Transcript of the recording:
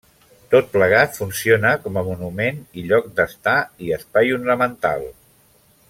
Tot plegat funciona com a monument i lloc d'estar i espai ornamental.